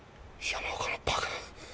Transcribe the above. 山岡のバカ！